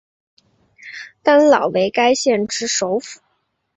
丹老为该县之首府。